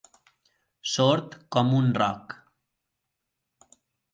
Sord com un roc.